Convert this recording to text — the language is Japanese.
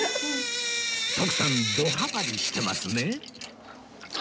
徳さんどハマリしてますね